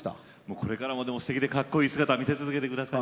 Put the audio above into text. これからもすてきでかっこいい姿見せ続けてください。